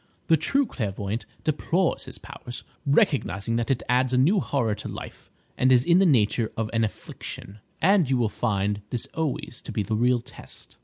"The true clairvoyant deplores his power, recognising that it adds a new horror to life, and is in the nature of an affliction. And you will find this always to be the real test."